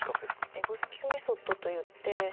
エゴスキュー・メソッドといって。